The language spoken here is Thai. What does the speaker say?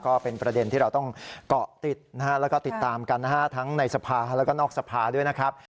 ก็เป็นประเด็นที่เราต้องเกาะติดนะฮะแล้วก็ติดตามกันนะฮะทั้งในสภาแล้วก็นอกสภาด้วยนะครับ